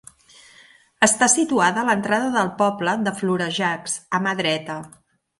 Està situada a l'entrada del poble de Florejacs, a mà dreta.